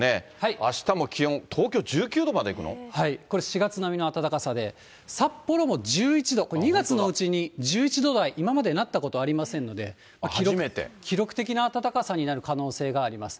あしたも気温、これ、４月並みの暖かさで、札幌も１１度、これ、２月のうちに１１度台、今までなったことありませんので、記録的な暖かさになる可能性があります。